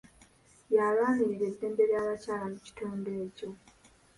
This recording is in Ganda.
Yalwanirira eddembe ly'abakyala mu kitundu ekyo.